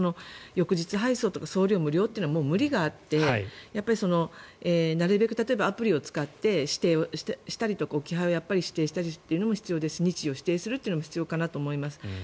翌日配送とか送料無料というのはもう無理があってなるべく例えばアプリを使って指定したりとか置き配を指定するとか日時を指定するというのも必要だと思います。